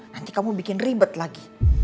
nanti kamu bikin ribet lagi